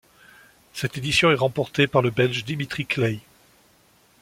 Cette édition est remportée par le Belge Dimitri Claeys.